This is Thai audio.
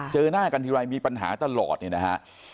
เจอหน้ากันทีไรมีปัญหาตลอดเนี่ยนะฮะ